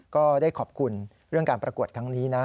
ก็ได้ขอบคุณเรื่องการประกวดครั้งนี้นะ